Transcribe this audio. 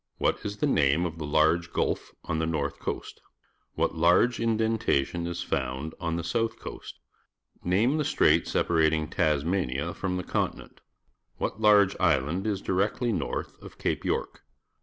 What is the name of the large gulf on the north coast? What large indentation is found on the south coast? Name the strait separating Tnsmania from the continent. What large island is directly north of Cape York?